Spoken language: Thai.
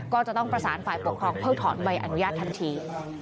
ก็จะต้องประสานฝ่ายปกครองเพิ่งถอนใบอนุญาตทันที